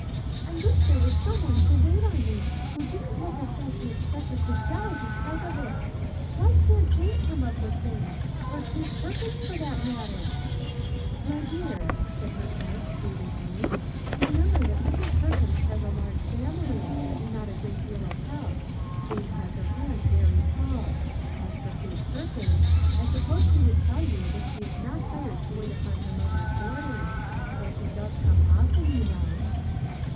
" I wish there was some one to wait on me who didn't look as though she expected to die be cause of it! Why can't Jane come up with things ? or Kate Perkins, for that matter ?"" My dear," said her aunt, soothingly, " re member that Mrs. Perkins has a large family and not a great deal of help; Jane has her hands very full. As for Kate Perkins, I sup pose she would tell you that she is not hired to wait upon her mother's boarders, though she does come often, you know."